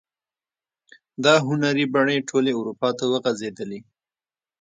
دا هنري بڼې ټولې اروپا ته وغزیدلې.